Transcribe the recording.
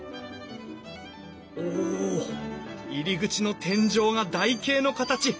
おお入り口の天井が台形の形。